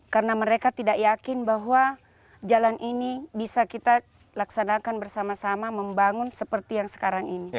karena mereka tidak yakin bahwa jalan ini bisa kita laksanakan bersama sama membangun seperti yang sekarang ini